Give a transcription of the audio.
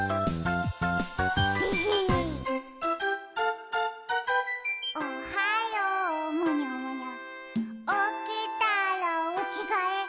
でへへ「おはようむにゃむにゃおきたらおきがえ」